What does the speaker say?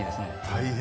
大変。